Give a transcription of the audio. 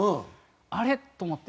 あれ？と思って。